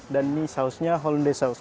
dan ini sausnya hollandaise sauce